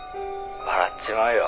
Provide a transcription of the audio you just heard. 「笑っちまうよ。